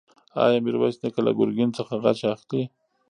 ایا میرویس نیکه له ګرګین څخه غچ اخلي؟